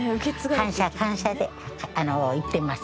感謝、感謝で行っています。